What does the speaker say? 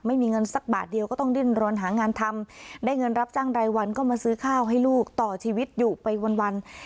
ไม่มีเงินสักบาทเดียวก็ต้องดิ้นรนหางานทำได้เงินรับจ้างรายวันก็มาซื้อข้าวให้ลูกต่อชีวิตอยู่ไปวัน